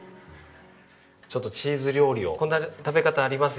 ちょっとチーズ料理をこんな食べ方あります